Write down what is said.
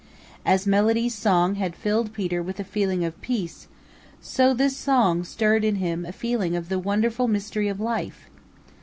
As Melody's song had filled Peter with a feeling of peace, so this song stirred in him a feeling of the wonderful mystery of life.